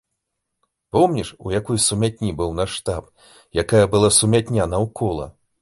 Помніш, у якой сумятні быў наш штаб, якая была сумятня наўкола?